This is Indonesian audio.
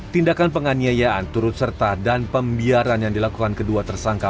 tindakan penganiayaan turut serta dan pembiaran yang dilakukan kedua tersangka